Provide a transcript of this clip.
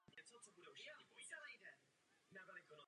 Zvonek alpský je rozšířen v Alpách a Karpatech.